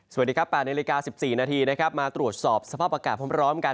สวัสดีครับป่านในลิกาจน๑๔นาทีมาตรวจสอบสภาพอากาศพร้อมร้อนกัน